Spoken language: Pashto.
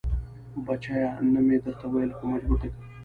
بچيه نه مې درته ويل خو مجبور دې کم.